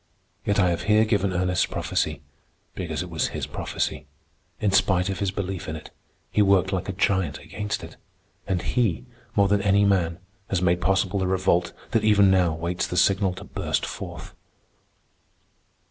Yet I have here given Ernest's prophecy because it was his prophecy. In spite of his belief in it, he worked like a giant against it, and he, more than any man, has made possible the revolt that even now waits the signal to burst forth.